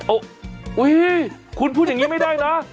โอ้โหคุณพูดอย่างนี้ไม่ได้นะ